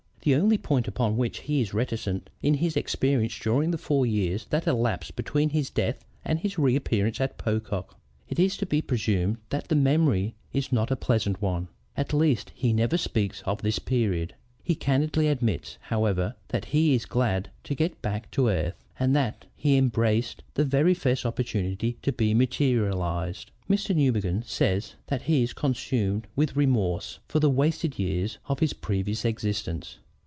The only point upon which he is reticent is his experience during the four years that elapsed between his death and his reappearance at Pocock. It is to be presumed that the memory is not a pleasant one: at least he never speaks of this period. He candidly admits, however, that he is glad to get back to earth and that he embraced the very first opportunity to be materialized. "Mr. Newbegin says that he is consumed with remorse for the wasted years of his previous existence.